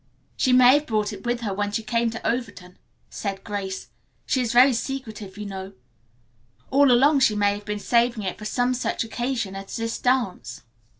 "She may have brought it with her when she came to Overton," said Grace. "She is very secretive, you know. All along she may have been saving it for some such occasion as this dance."